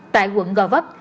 tại quận gò vấp